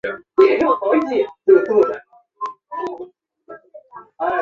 库菲人口变化图示